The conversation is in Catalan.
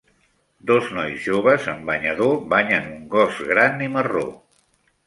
Dos nois joves amb banyador banyen un gos gran i marró.